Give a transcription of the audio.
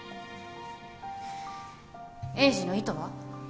栄治の意図は？